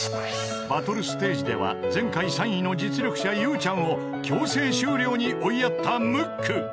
［バトルステージでは前回３位の実力者ゆうちゃんを強制終了に追いやったムック］